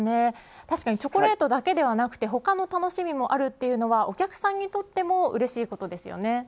確かにチョコレートだけではなく他の楽しみもあるというのはお客さんにとってもうれしいことですよね。